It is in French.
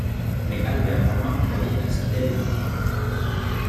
Mais Albert Roman croyait à ce qu’il avait lu